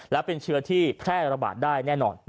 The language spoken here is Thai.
และเป็นเชื้อที่แพร่ระบาดได้แน่นอน